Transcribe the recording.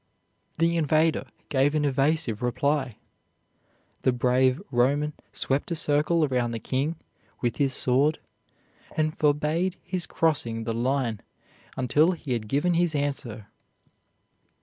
The invader gave an evasive reply. The brave Roman swept a circle around the king with his sword, and forbade his crossing the line until he had given his answer.